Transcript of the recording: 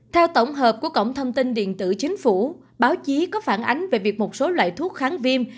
theo tổng hợp của cổng thông tin điện tử chính phủ báo chí có phản ánh về việc một số loại thuốc kháng viêm